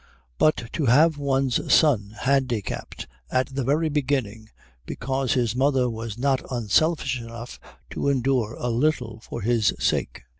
But to have one's son handicapped at the very beginning because his mother was not unselfish enough to endure a little for his sake....